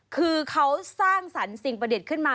คือเขาสร้างสรรค์สิ่งประดิษฐ์ขึ้นมา